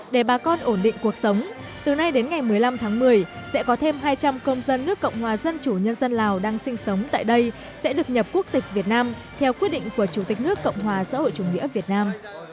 để bà con ổn định cuộc sống từ nay đến ngày một mươi năm tháng một mươi sẽ có thêm hai trăm linh công dân nước cộng hòa dân chủ nhân dân lào đang sinh sống tại đây sẽ được nhập quốc tịch việt nam theo quyết định của chủ tịch nước cộng hòa xã hội chủ nghĩa việt nam